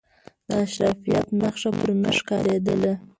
د اشرافیت نخښه پر نه ښکارېدله.